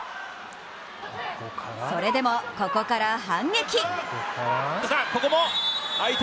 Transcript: それでも、ここから反撃。